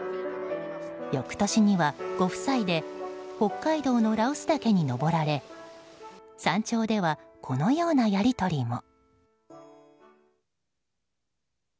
翌年にはご夫妻で北海道の羅臼岳に登られ山頂ではこのようなやり取りも。